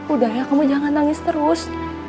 udah ya kamu jangan nangis terus